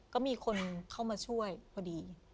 ก็มีคนเข้ามาช่วยพอดี